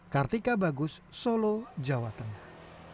kartika bagus solo jawa tengah